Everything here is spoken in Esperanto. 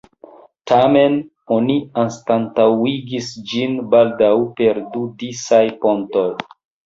Tamen oni anstataŭigis ĝin baldaŭ per du disaj pontoj.